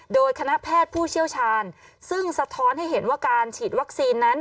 โดยคณะแพทย์ผู้เชี่ยวชาญซึ่งสะท้อนให้เห็นว่าการฉีดวัคซีนนั้น